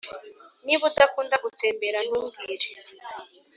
niba udakunda gutembera, ntumbwire.